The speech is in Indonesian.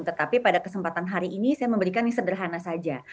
tetapi pada kesempatan hari ini saya memberikan yang sederhana saja